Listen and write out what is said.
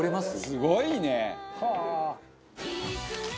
「すごいね」